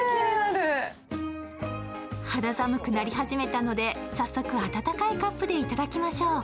肌寒くなり始めたので、早速温かいカップでいただきましょう。